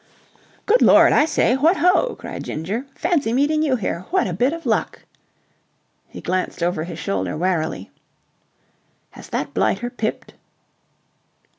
4 "Good Lord, I say, what ho!" cried Ginger. "Fancy meeting you here. What a bit of luck!" He glanced over his shoulder warily. "Has that blighter pipped?"